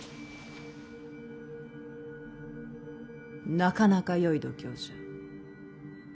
なかなかよい度胸じゃ。